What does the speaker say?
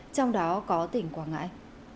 trong đó có tỉnh quảng ngãi